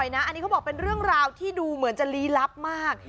อันนี้เขาบอกเป็นเรื่องราวที่ดูเหมือนจะลี้ลับมาก